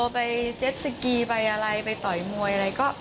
ไปเจ็ดสกีไปอะไรไปต่อยมวยอะไรก็